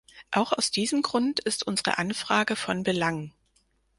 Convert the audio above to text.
Auch aus diesem Grund ist unsere Anfrage von Belang.